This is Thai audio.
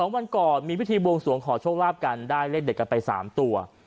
วันก่อนมีพิธีบวงสวงขอโชคลาภกันได้เลขเด็ดกันไป๓ตัว